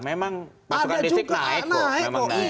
memang pasokan listrik naik kok